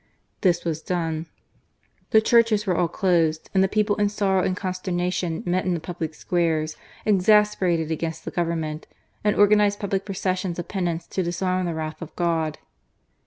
This was done ; the churches were all closed, and the people in sorrow and consternation, met in the public squares, exasperated against the Government, and organized public processions of penance to disarm the wrath of God.